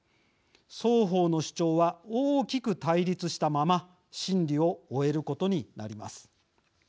双方の主張は大きく対立したまま審理を終えることになります。